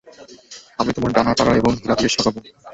আমি তোমার ডানা তারা এবং হীরা দিয়ে সাজাব।